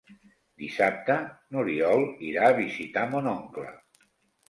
Dissabte n'Oriol irà a visitar mon oncle.